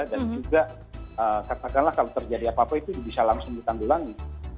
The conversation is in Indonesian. dan juga katakanlah kalau terjadi apa apa itu bisa langsung ditanggulangi